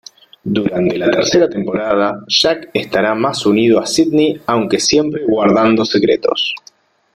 Durante la tercera temporada, Jack estará más unido a Sydney aunque siempre guardando secretos.